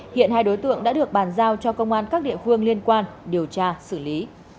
hiện hai đối tượng đã được bàn giao cho công an các địa phương liên quan điều tra xử lý